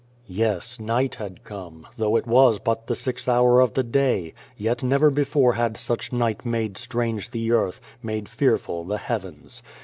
Yes, night had come, though it was but the sixth hour of the day, yet never before had such night made strange the earth, made fear ful the heavens.